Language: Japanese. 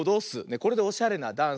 これでおしゃれなダンスだよ。